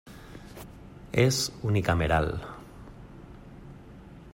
És unicameral.